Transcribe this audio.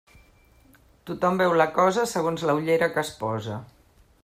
Tothom veu la cosa segons la ullera que es posa.